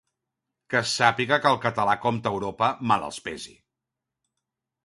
Que es sàpiga que el català compta a Europa, mal els pesi.